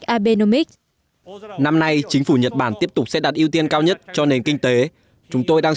abnomics năm nay chính phủ nhật bản tiếp tục sẽ đạt ưu tiên cao nhất cho nền kinh tế chúng tôi đang